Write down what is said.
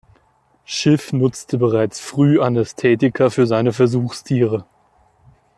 Schiff nutzte bereits früh Anästhetika für seine Versuchstiere.